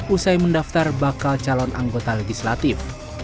usai mendaftar bakal calon anggota legislatif